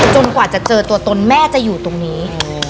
กว่าจะเจอตัวตนแม่จะอยู่ตรงนี้